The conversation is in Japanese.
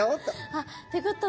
あっ！ってことは